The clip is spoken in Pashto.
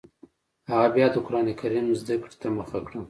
هغه بیا د قران کریم زده کړې ته مخه کړه